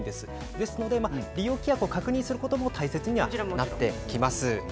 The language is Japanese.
ですので利用規約を確認することも大切になってきます。